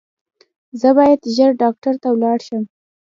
زه باید ژر ډاکټر ته ولاړ شم